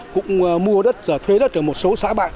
cũng mua đất thuê đất ở một số xã bạn